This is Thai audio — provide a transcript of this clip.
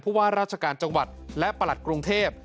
ว่าราชการจังหวัดและประหลัดกรุงเทพ